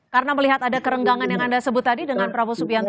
karena melihat ada kerenggangan yang anda sebut tadi dengan prabowo subianto